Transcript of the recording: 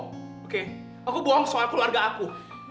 aku bohong oke aku bohong soal keluarga aku